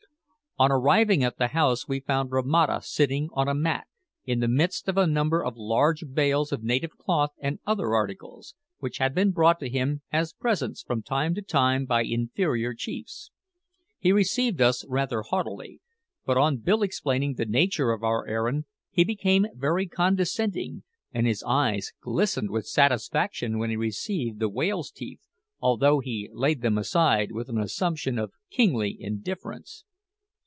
On arriving at the house we found Romata sitting on a mat, in the midst of a number of large bales of native cloth and other articles, which had been brought to him as presents from time to time by inferior chiefs. He received us rather haughtily; but on Bill explaining the nature of our errand, he became very condescending, and his eyes glistened with satisfaction when he received the whale's teeth, although he laid them aside with an assumption of kingly indifference.